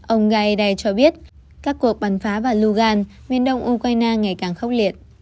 ông gaidai cho biết các cuộc bắn phá vào lugan miền đông ukraine ngày càng khốc liệt